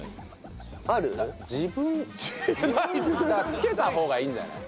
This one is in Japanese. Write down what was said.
つけた方がいいんじゃない？